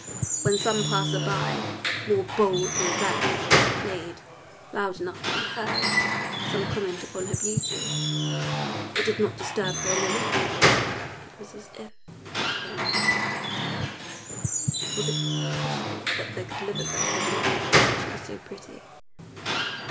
When some passer by, more bold than the rest, made (loud enough to be heard) some comment upon her beauty, it did not disturb her in the least it was as if it were nothing to her. Was it possible that there could live a girl who did not care that she was so pretty?